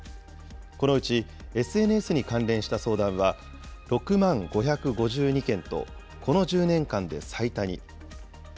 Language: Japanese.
このうち、ＳＮＳに関連した相談は６万５５２件と、この１０年間で最多に。